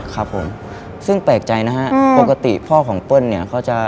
ครับผมซึ่งแปลกใจนะฮะปกติพ่อของเปิ้ลเนี่ยเขาจะ